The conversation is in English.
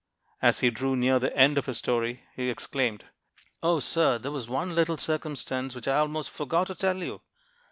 As he drew near the end of his story, he exclaimed: "O, sir, there was one little circumstance which I almost forgot to tell you!